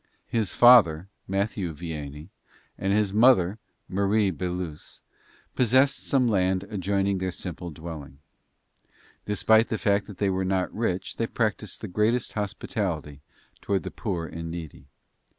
His father, Mathieu Vianney, and his mother, Marie Beluse, possessed some land adjoining their simple dwelling. Despite the fact that they were not rich they practiced the greatest hospitality toward the poor and needy.